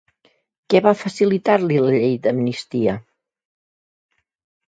Què va facilitar-li la Llei d'Amnistia?